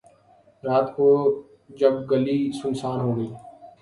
رات کو جب گلی سنسان ہو گئی